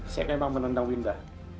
saya memang menendang winda